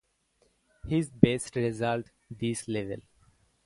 His best result this level.